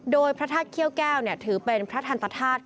โดยพระธาตุเขี้ยวแก้วถือเป็นพระทันตธาตุ